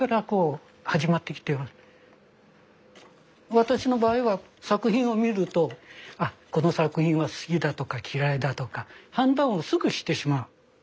私の場合は作品を見るとあこの作品は好きだとか嫌いだとか判断をすぐしてしまう。